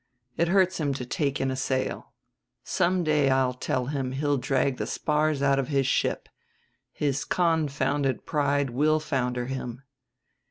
It hurts him to take in a sail. Some day I tell him he'll drag the spars out of his ship. His confounded pride will founder him."